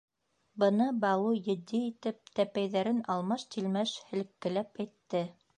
— Быны Балу етди итеп, тәпәйҙәрен алмаш-тилмәш һелккеләп әйтте.